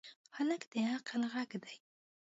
هلک د عقل غږ دی.